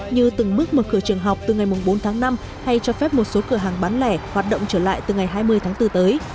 như từng mức mở cửa trường học từ ngày bốn tháng năm hay cho phép một số cửa hàng bán lẻ hoạt động trở lại từ ngày hai mươi tháng bốn tới